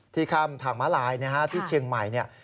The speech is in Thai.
ที่ข้ามถังมาลายที่เชียงใหม่